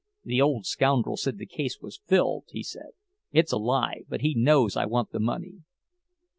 "The old scoundrel said the case was filled," he said. "It's a lie, but he knows I want the money."